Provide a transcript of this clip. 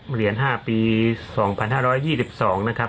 เหรียญ๕ปี๒๕๒๒นะครับ